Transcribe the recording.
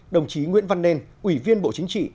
đồng chí nguyễn văn nên ủy viên bộ chính trị